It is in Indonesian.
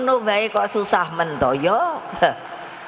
oh baiklah kok susah menurutmu